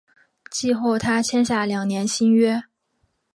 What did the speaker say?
季后他签下两年新约。